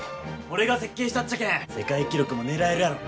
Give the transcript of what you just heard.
俺が設計したっちゃけん世界記録も狙えるやろ。